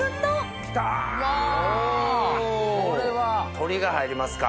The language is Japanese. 鶏が入りますか。